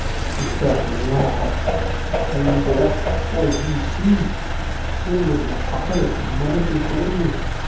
The fellow laughed. "I am black, as you see; so were my father and mother before me."